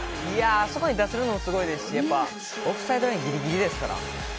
「いやああそこに出せるのもすごいですしやっぱオフサイドラインギリギリですから」